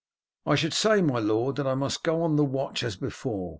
"I should say, my lord, that I must go on the watch as before.